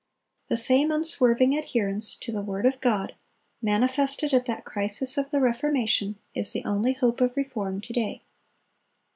The same unswerving adherence to the word of God manifested at that crisis of the Reformation, is the only hope of reform to day.